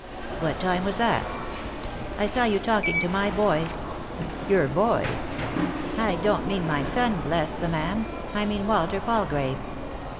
. "What time was that ?"" I saw you talking to my boy." " Your boy ?"" I don't mean my son, bless the man 1 I mean — Walter Palgrave."